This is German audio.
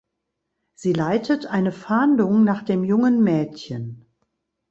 Sie leitet eine Fahndung nach dem jungen Mädchen.